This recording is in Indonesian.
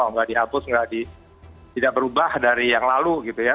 nggak dihapus tidak berubah dari yang lalu gitu ya